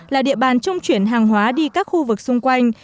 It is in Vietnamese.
là địa bàn trung chuyển hàng hóa đi các khu vực xung quanh